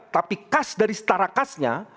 tapi kas dari setara kasnya